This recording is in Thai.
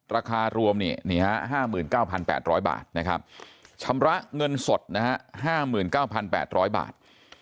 ราคารวม๕๙๘๐๐บาทนะครับชำระเงินสดนะฮะ๕๙๘๐๐บาท